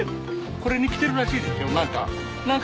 これにきてるらしいですよ何か。